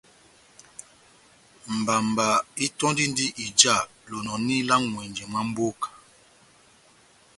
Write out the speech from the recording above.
Mbamba itöndindi ijá lonòni lá n'ŋwɛnjɛ mwa mboka.